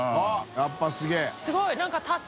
やっぱすげぇ。